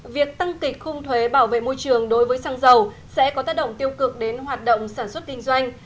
việc tăng kịch khung thuế bảo vệ môi trường đối với xăng dầu sẽ có tác động tiêu cực đến hoạt động sản xuất kinh doanh